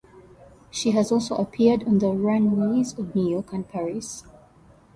She has also appeared on the runways of New York and Paris.